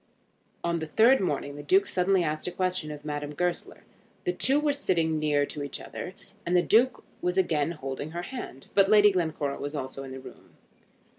On the third morning the Duke suddenly asked a question of Madame Goesler. The two were again sitting near to each other, and the Duke was again holding her hand; but Lady Glencora was also in the room.